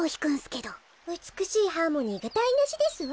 うつくしいハーモニーがだいなしですわ。